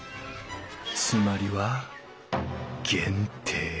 つまりは「限定」